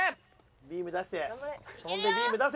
ビーム出して跳んでビーム出せ！